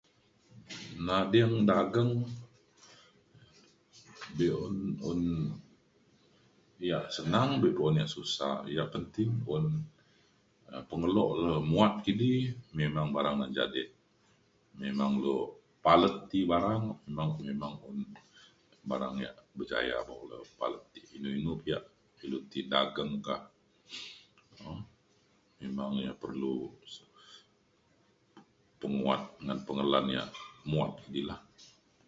Nading dageng be’un un yak senang be’un yak susah. Yang penting un um pengelo le muat kidi memang barang na jadek memang le palet ti barang memang memang un barang yak berjaya buk le palet ti inu inu yak ilu ti dageng ka um memang ia’ perlu penguat ngan pengelan yak muat kidi lah.